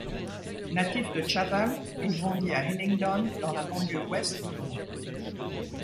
Natif de Chatham, il grandit à Hillingdon, dans la banlieue ouest de Londres.